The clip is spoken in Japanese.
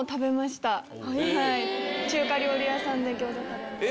中華料理屋さんで餃子食べました。